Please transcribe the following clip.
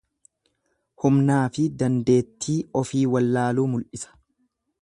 Humnaafi dandeettii ofii wallaaluu mul'isa.